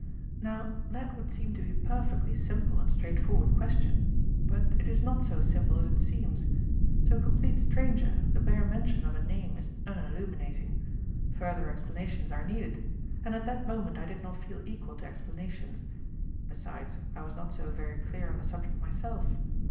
Now, that would seem to be a perfectly simple and straightforward question. But it is not so simple as it seems. To a complete stranger, the bare mention of a name is unilluminating. Further explanations are needed. And at that moment I did not feel equal to explanations. Besides, I was not so very clear on the subject myself.